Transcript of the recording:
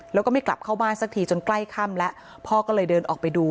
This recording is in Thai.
แล้วก็ไม่กลับเข้าบ้านสักทีจนใกล้ค่ำแล้วพ่อก็เลยเดินออกไปดู